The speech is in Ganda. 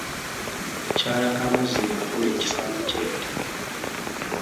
Mukyala Kamanzi yagula ekisambi kye nte .